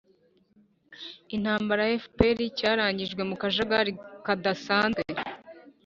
intambara ya fpr cyarangiye mu kajagari kadasanzwe